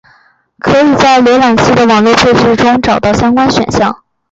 可以在浏览器的网络配置里找到相关选项。